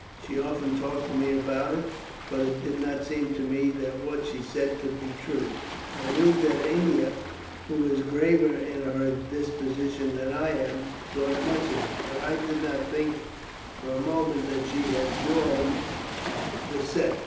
She often talked to me about it, but it did not seem to me that what she said could be true; I knew that Ennia, who is graver in her disposition than I am, thought much of it, but I did not think for a moment that she had joined the sect.